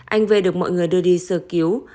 anh về được mọi người đưa đi sờ cứu